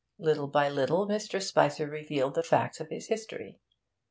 Little by little Mr. Spicer revealed the facts of his history.